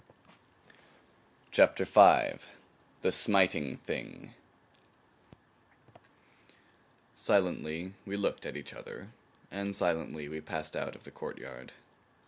CHAPTER V. THE SMITING THING Silently we looked at each other, and silently we passed out of the courtyard.